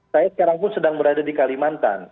saya sekarang pun sedang berada di kalimantan